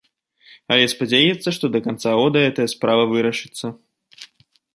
Але спадзяецца, што да канца года гэтая справа вырашыцца.